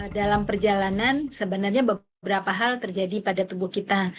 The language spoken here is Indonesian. dalam perjalanan sebenarnya beberapa hal terjadi pada tubuh kita